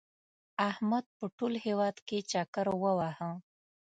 احمد په ټول هېواد کې چکر ووهه.